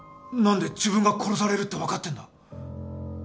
何で自分が殺されるって分かってんだ